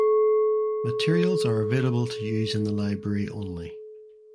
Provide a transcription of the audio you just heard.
Materials are available to use in the library only.